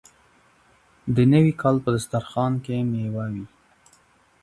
د نوي کال په دسترخان کې میوه وي.